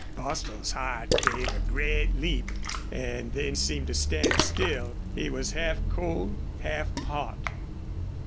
Bostil's heart gave a great leap and then seemed to stand still. He was half cold, half hot.